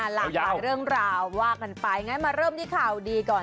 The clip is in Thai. หลากหลายเรื่องราวว่ากันไปงั้นมาเริ่มที่ข่าวดีก่อน